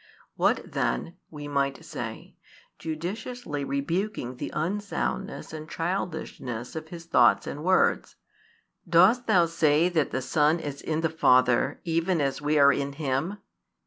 "What then," we might say, judiciously rebuking the unsoundness and childishness of his thoughts and words, "dost thou say that the Son is in the Father even as we are in Him?